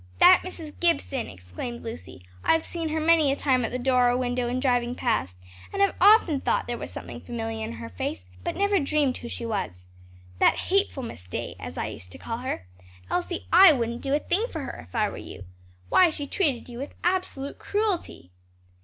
"That Mrs. Gibson!" exclaimed Lucy, "I've seen her many a time at the door or window, in driving past, and have often thought there was something familiar in her face, but never dreamed who she was. That hateful Miss Day! as I used to call her; Elsie, I wouldn't do a thing for her, if I were you. Why she treated you with absolute cruelty."